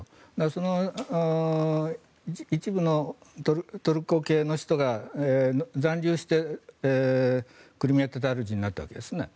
その一部のトルコ系の人が残留してクリミア・タタール人になったわけです。